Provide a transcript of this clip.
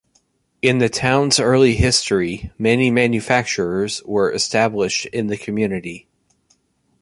In the town's early history, many manufacturers were established in the community.